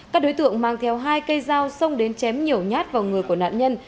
các đối tượng mang theo hai cây dao xông đến chém nhiều nhát vào người của nạn nhân